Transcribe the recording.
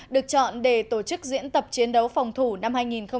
được chọn để tổ chức diễn tập chiến đấu phòng thủ năm hai nghìn một mươi chín